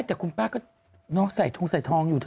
แต่คุณป้าก็น้องใส่ทงใส่ทองอยู่เ